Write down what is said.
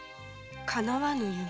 「かなわぬ夢」？